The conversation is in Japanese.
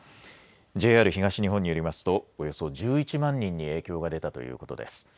ＪＲ東日本によりますとおよそ１１万人に影響が出たということです。